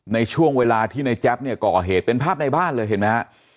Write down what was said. ในช่วงเวลาที่ในแจ๊บเนี่ยก่อเหตุเป็นภาพในบ้านเลยเห็นไหมฮะ